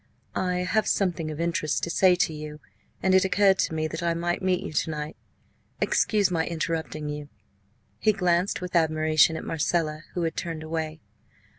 "I have something of interest to say to you, and it occurred to me that I might meet you to night. Excuse my interrupting you." He glanced with admiration at Marcella, who had turned away.